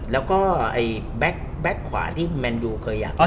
แล้วก็แบ็คขวาที่แมนยูเคยอยาก